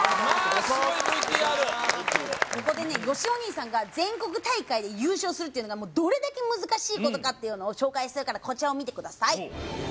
まあすごいＶＴＲここでねよしお兄さんが全国大会で優勝するっていうのがどれだけ難しいことかっていうのを紹介するからこちらを見てください